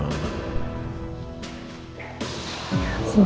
kalau jessica diminta untuk jadi saksi mama